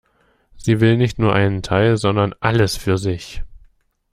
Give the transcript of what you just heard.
Sie will nicht nur einen Teil, sondern alles für sich.